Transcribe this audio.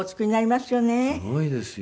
すごいですよ。